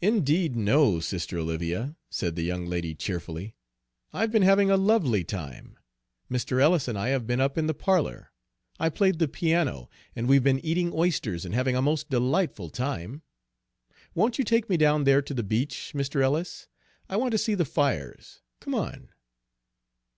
"Indeed, no, sister Olivia," said the young lady cheerfully, "I've been having a lovely time. Mr. Ellis and I have been up in the parlor; I played the piano; and we've been eating oysters and having a most delightful time. Won't you take me down there to the beach, Mr. Ellis? I want to see the fires. Come on."